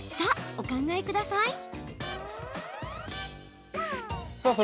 ３択でお考えください。